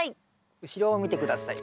後ろを見て下さい。